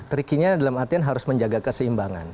trickiness dalam artian harus menjaga keseimbangan